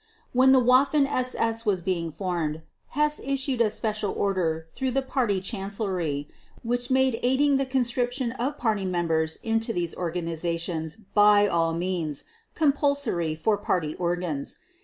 When the Waffen SS was being formed Hess issued a special order through the Party Chancellery which made aiding the conscription of Party members into these organizations by all means compulsory for Party organs.